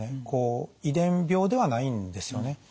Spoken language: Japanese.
こう遺伝病ではないんですよね。